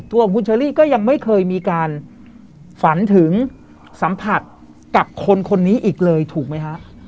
ตัวของคุณเชอรี่ก็ยังไม่เคยมีการฝันถึงสัมผัสกับคนคนนี้อีกเลยถูกไหมฮะ